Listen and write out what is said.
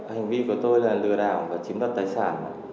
hành vi của tôi là lừa đào và chiếm đặt tài sản